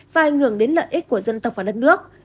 và ảnh hưởng đến lợi ích của dân tộc và đất nước